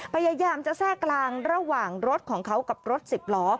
พยายามจะแทรกกลางระหว่างรถของเขากับรถสิบล้อ